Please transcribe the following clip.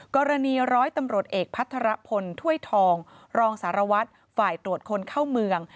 ร้อยตำรวจเอกพัทรพลถ้วยทองรองสารวัตรฝ่ายตรวจคนเข้าเมือง